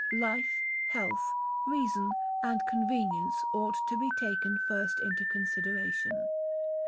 Life, health, reason, and convenience ought to be taken first into consideration.